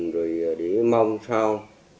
rồi để mong sao